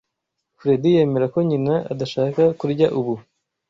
Fredy yemera ko nyina adashaka kurya ubu.